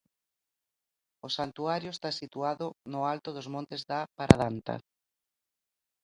O santuario está situado no alto dos montes da Paradanta.